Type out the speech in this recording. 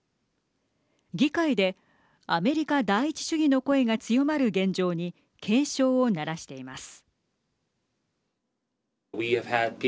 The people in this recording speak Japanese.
議会でアメリカ第一主義の声が強まる現状に警鐘を鳴らしています。